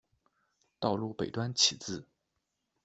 道路北端起自。